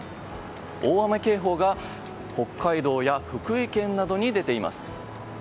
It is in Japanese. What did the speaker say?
大雨警報が北海道や福井県などに出ています。